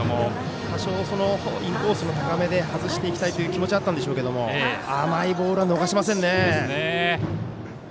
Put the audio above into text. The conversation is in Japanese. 多少、インコースの高めで外していきたいという気持ちはあったんでしょうが甘いボール逃しませんね。